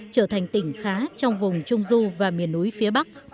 trở thành tỉnh khá trong vùng trung du và miền núi phía bắc